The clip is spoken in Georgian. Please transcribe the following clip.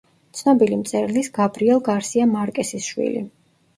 ცნობილი მწერლის გაბრიელ გარსია მარკესის შვილი.